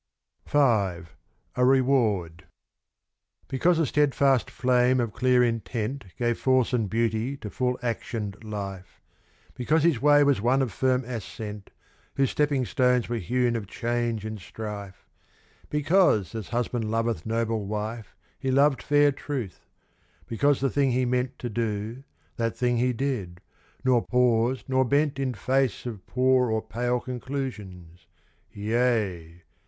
V A Reward Because a steadfast flame of clear intent Gave force and beauty to full actioned life; Because his way was one of firm ascent, Whose stepping stones were hewn of change and strife; Because as husband loveth noble wife He loved fair Truth; because the thing he meant To do, that thing he did, nor paused, nor bent In face of poor and pale conclusions; yea!